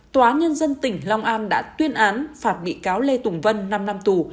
tòa án nhân dân tỉnh long an đã tuyên án phạt bị cáo lê tùng vân năm năm tù